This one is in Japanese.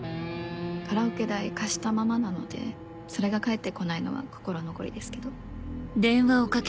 カラオケ代貸したままなのでそれが返って来ないのは心残りですけど。